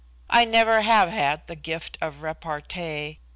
I never have had the gift of repartee.